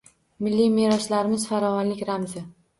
Milliy meroslarimiz farovonlik ramzi